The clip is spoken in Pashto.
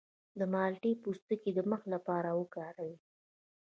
د مالټې پوستکی د مخ لپاره وکاروئ